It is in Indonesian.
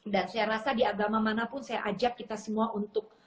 dan saya rasa di agama manapun saya ajak kita semua untuk